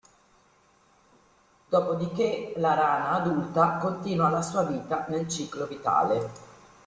Dopodiché la rana adulta continua la sua vita nel ciclo vitale.